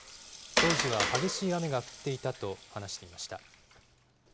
当時は激しい雨が降っていたと話していました。